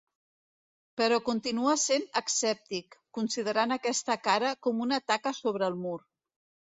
Però continua sent escèptic, considerant aquesta cara com una taca sobre el mur.